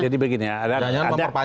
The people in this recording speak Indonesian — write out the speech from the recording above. jadi begini ya